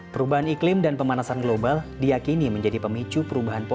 perubahan iklim dan pemanasan global diakini menjadi pemicu perubahan